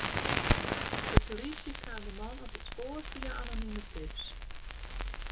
De polysje kaam de man op it spoar fia anonime tips.